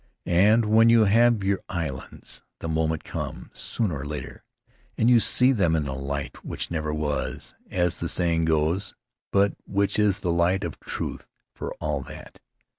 And when you have your islands, the moment comes, sooner or later, and you see them in the light which never was, as the saying goes, but which is the light of truth for all that.